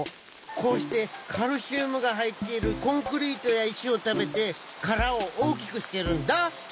こうしてカルシウムがはいっているコンクリートやいしをたべてからをおおきくしてるんだ。